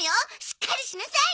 しっかりしなさい！